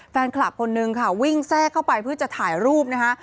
แฟนคลับคนนึงค่ะวิ่งแทรกเข้าไปเพื่อจะถ่ายรูปนะคะ